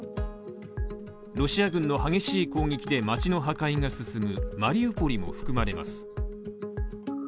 ロシア軍の激しい攻撃で街の破壊が進むマリウポリも含まれます。